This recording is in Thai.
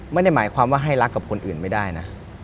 ไม่ได้หมายความว่าให้รักกับคนอื่นไม่ได้นะ